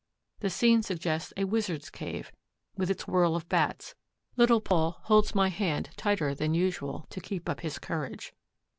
The scene suggests a wizard's cave, with its whirl of Bats. Little Paul holds my hand tighter than usual, to keep up his courage.